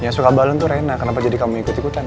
yang suka balon tuh rena kenapa jadi kamu ikut ikutan